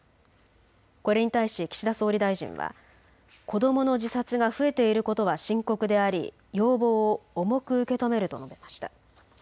これに対し岸田総理大臣は子どもの自殺が増えていることは深刻であり要望を重く受け止めると述べました。